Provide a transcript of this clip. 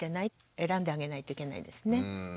選んであげないといけないですね。